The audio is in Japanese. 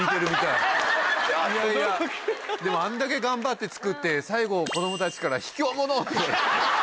でもあんだけ頑張って作って最後子供たちから。